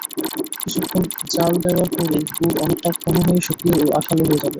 কিছুক্ষণ জ্বাল দেওয়ার পরই গুড় অনেকটা ঘন হয়ে শুকিয়ে ও আঠালো হয়ে যাবে।